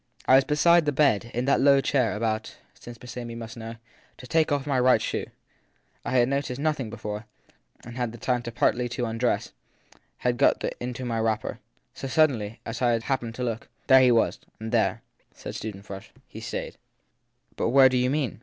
I was beside the bed in that low chair ; about since Miss Amy must know to take off my right shoe. I had THE THIRD PERSON 263 noticed nothing bef ore, and had had time partly to undress had got into my wrapper. So, suddenly as I happened to look there he was. And there/ said Susan Frush, he stayed/ But where do you mean